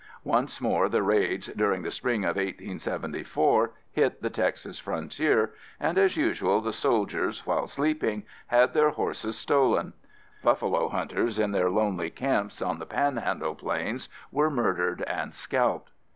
Once more the raids, during the spring of 1874, hit the Texas frontier, and as usual the soldiers while sleeping, had their horses stolen. Buffalo hunters in their lonely camps on the Panhandle plains were murdered and scalped.